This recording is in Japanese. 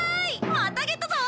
またげたぞー！